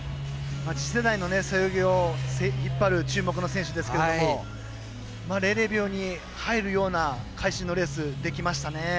次世代の背泳ぎを引っ張る注目の選手ですけれども００秒に入るような会心のレースできましたね。